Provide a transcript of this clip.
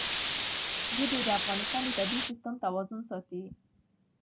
ژبې د افغانستان د طبعي سیسټم توازن ساتي.